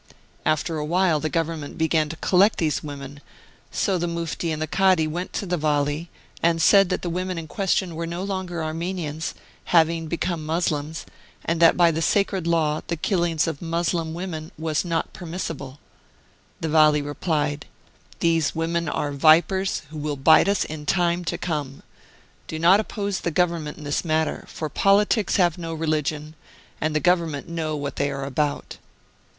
After a while, the Government began to collect these women, so the Mufti and the Kadi went to the Vali and said that the women in question were no longer Armenians, having become Mussulmans, and that by the Sacred Law the killing of Mussul man women was not permissible. The Vali re plied : "These women are vipers, who will bite us in time to come ; do not oppose the Government in this matter, for politics have no religion, and the Government know what they are about."